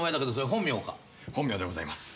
本名でございます。